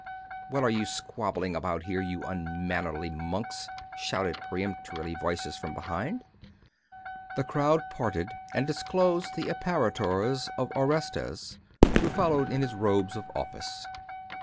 What are you squabbling about here, you unmannerly monks?' shouted peremptory voices from behind. The crowd parted, and disclosed the apparitors of Orestes, who followed in his robes of office.